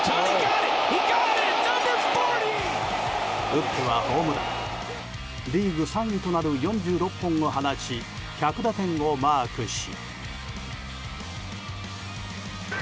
打ってはホームランリーグ３位となる４６本を放ち１００打点をマークし。